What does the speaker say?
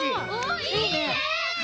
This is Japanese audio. いいね！